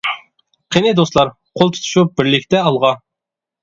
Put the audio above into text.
قېنى دوستلار، قول تۇتۇشۇپ بىرلىكتە ئالغا!